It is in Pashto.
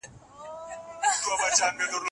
غنی حسن شیخ عبدالغفور خروټی